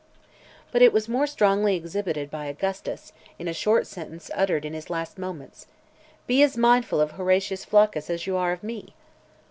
But it was more strongly exhibited by Augustus, in a short sentence uttered in his last moments: "Be as mindful of Horatius Flaccus as you are of me!"